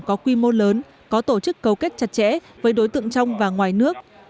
có quy mô lớn có tổ chức cầu kết chặt chẽ với đối tượng trong và ngoài nước